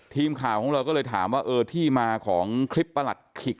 ทีมข่าวของเราก็เลยถามว่าเออที่มาของคลิปประหลัดขิก